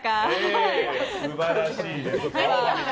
素晴らしいです。